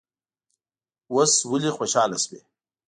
اوس ولې خوشاله شوې.